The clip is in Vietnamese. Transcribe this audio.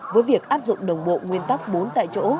với việc áp dụng đồng bộ nguyên tắc bốn tại chỗ